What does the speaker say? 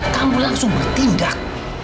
kamu langsung bertindak